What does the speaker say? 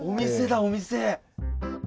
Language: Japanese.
お店！